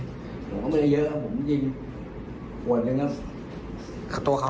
ผมก็ไม่ได้เยอะครับผมจริงปวดจริงครับ